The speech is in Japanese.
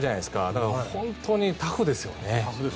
だから本当にタフですよね。